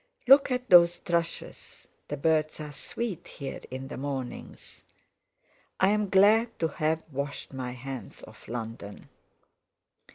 Look at those thrushes—the birds are sweet here in the mornings. I'm glad to have washed my hands of London."